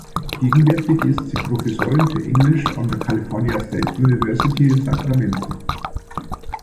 Gegenwärtig ist sie Professorin für Englisch an der California State University in Sacramento.